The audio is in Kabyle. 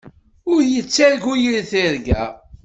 Ur yettargu yir tirga.